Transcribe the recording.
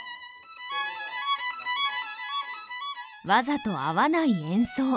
わざと合わない演奏。